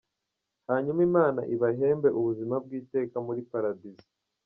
Hanyuma imana ibahembe ubuzima bw’iteka muli Paradizo.